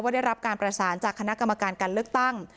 ได้รับการประสานจากคณะกรรมการการเลือกตั้ง